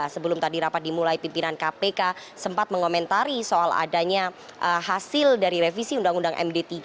sebelum tadi rapat dimulai pimpinan kpk sempat mengomentari soal adanya hasil dari revisi undang undang md tiga